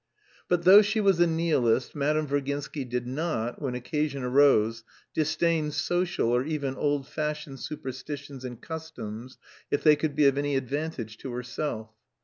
But though she was a nihilist, Madame Virginsky did not, when occasion arose, disdain social or even old fashioned superstitions and customs if they could be of any advantage to herself.